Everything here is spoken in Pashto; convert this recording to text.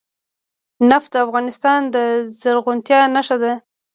نفت د افغانستان د زرغونتیا نښه ده.